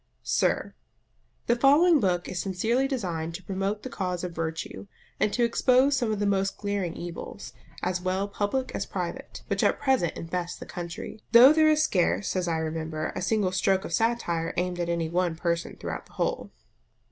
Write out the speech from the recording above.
SIR, The following book is sincerely designed to promote the cause of virtue, and to expose some of the most glaring evils, as well public as private, which at present infest the country; though there is scarce, as I remember, a single stroke of satire aimed at any one person throughout the whole.